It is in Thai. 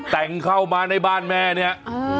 แต่งเข้ามาในบ้านแม่เนี่ย